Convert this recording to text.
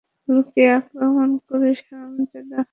লুকিয়ে আক্রমণ করিস, হারামজাদা!